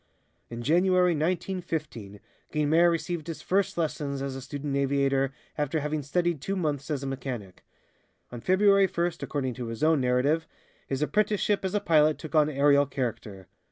In January, 1915, Guynemer received his first lessons as a student aviator, after having studied two months as a mechanic. On February first, according to his own narrative, his apprenticeship as a pilot took on aerial character.